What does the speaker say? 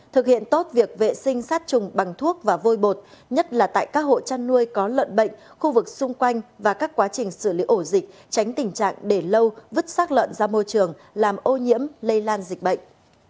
thực hiện tốt việc vệ sinh sát trùng bằng thuốc và vôi bột nhất là tại các hộ chăn nuôi có lợn bệnh khu vực xung quanh và các quá trình xử lý ổ dịch tránh tình trạng để lâu vứt sát lợn ra môi trường làm ô nhiễm lây lan dịch bệnh